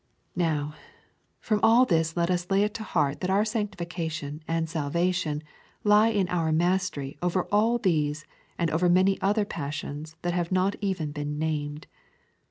Now, from all this let us lay it to heart that our sanctification and salvation lie in our mastery over all these and over many other passions that have not even been named.